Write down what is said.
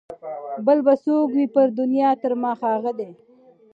بل به څوک وي پر دنیا تر ما ښاغلی